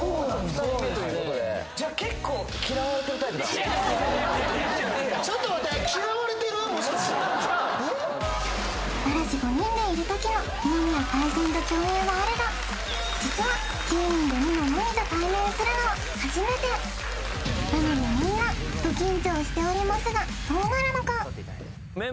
２人目ということでじゃ結構いやいやちょっと待って嵐５人でいる時の二宮パイセンと共演はあるが実は９人でニノのみと対面するのは初めてなのでみんなど緊張しておりますがどうなるのか？